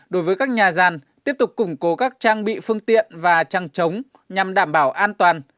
đối với các nhà gian tiếp tục củng cố các trang bị phương tiện và trăng trống nhằm đảm bảo an toàn